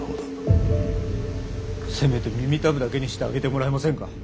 せめて耳たぶだけにしてあげてもらえませんか。